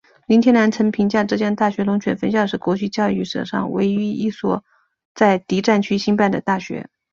林天兰曾评价浙江大学龙泉分校是国际教育史上唯一一所在敌战区兴办的大学。